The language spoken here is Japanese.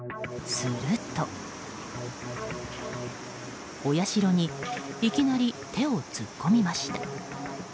すると、お社にいきなり手を突っ込みました。